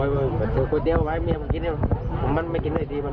ไม่ใช่แจ้งไม่ครับกันก็โป๊ะปุ้มบอกว่าไอ้ที่บ้าน